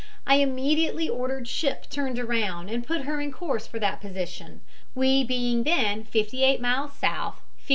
I immediately ordered ship turned around and put her in course for that position, we being then 58 miles S. 52 E.